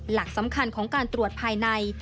หลักสำคัญของการตรวจภายใน